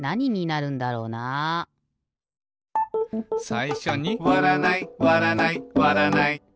さいしょに「わらないわらないわらない」